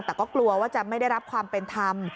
แต่ก็กลัวว่าจะไม่ได้รับความเป็นธรรม